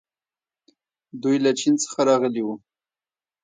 دوی له چین څخه راغلي وو